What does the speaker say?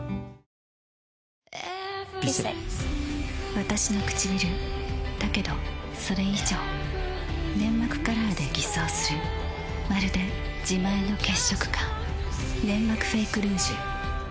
わたしのくちびるだけどそれ以上粘膜カラーで偽装するまるで自前の血色感「ネンマクフェイクルージュ」